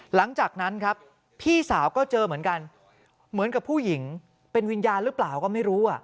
หลังจากนั้นครับพี่สาวก็เจอเหมือนกันเหมือนกับผู้หญิงเป็นวิญญาณหรือเปล่าก็ไม่รู้